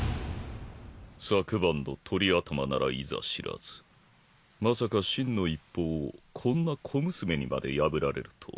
昨晩のトリ頭ならいざ知らずまさか「心の一方」をこんな小娘にまで破られるとは。